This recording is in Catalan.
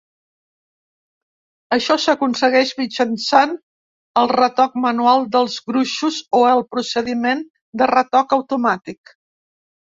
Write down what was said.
Això s'aconsegueix mitjançant el retoc manual dels gruixos o el procediment de retoc automàtic.